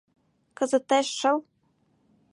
Кызытеш шыл.